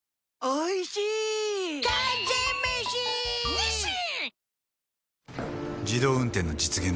ニッシン！